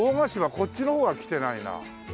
こっちの方は来てないな。